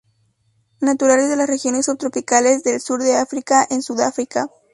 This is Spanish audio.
Naturales de las regiones subtropicales del sur de África en Sudáfrica.